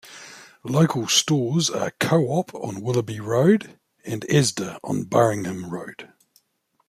Local stores are Co-op on Willoughby Road, and Asda on Burringham Road.